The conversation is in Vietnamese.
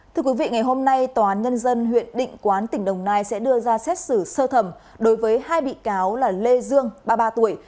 thưa quý vị ngày hôm nay tòa án nhân dân huyện định quán tỉnh đồng nai sẽ đưa ra xét xử sơ thẩm đối với hai bị cáo là lê dương ba mươi ba tuổi